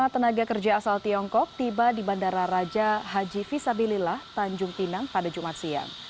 satu ratus empat puluh lima tenaga kerja asal tiongkok tiba di bandara raja haji fisabilillah tanjung tinang pada jumat siang